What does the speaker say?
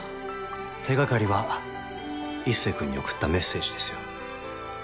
手がかりは壱成君に送ったメッセージですよ